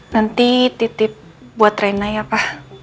nanti titip buat rina ya pa